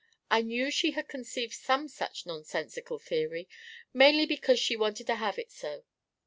"I knew she had conceived some such nonsensical theory, mainly because she wanted to have it so.